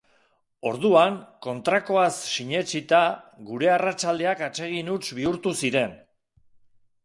Orduan, kontrakoaz sinetsita, gure arratsaldeak atsegin huts bihurtu ziren.